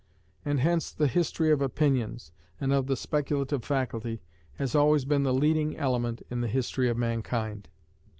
And hence the history of opinions, and of the speculative faculty, has always been the leading element in the history of mankind.